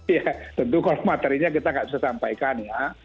ya tentu kalau materinya kita nggak susah sampaikan ya